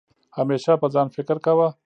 همېشه په ځان فکر کوه